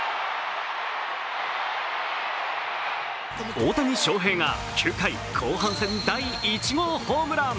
大谷翔平が９回、後半戦第１号ホームラン。